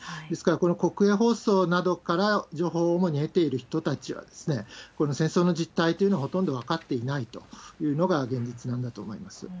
ですから、この国営放送などから情報を主に得ている人たちはこの戦争の実態というのはほとんど分かっていないというのが現実なんだと思いま